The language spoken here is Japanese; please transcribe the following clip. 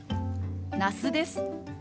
那須です。